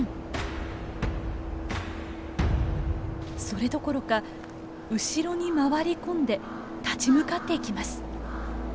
それどころか後ろに回り込んで立ち向かっていきます。